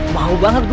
mau banget bu